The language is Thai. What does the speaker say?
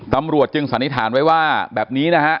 ตำรวจจึงสันนิษฐานไว้ว่าแบบนี้นะฮะ